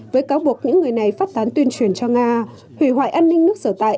với cáo buộc những người này phát tán tuyên truyền cho nga hủy hoại an ninh nước sở tại